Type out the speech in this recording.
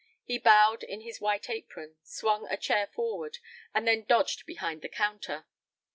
He bowed in his white apron, swung a chair forward, and then dodged behind the counter.